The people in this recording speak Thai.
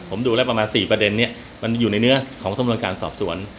ผมดูแล้วประมาณ๔ประเด็นนี้มันอยู่ในเนื้อของสำนวนการสอบสวน